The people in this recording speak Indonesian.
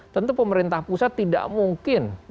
tentu pemerintah pusat tidak mungkin